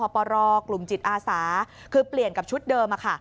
ปปรกลุ่มจิตอาสาคือเปลี่ยนกับชุดเดิมค่ะ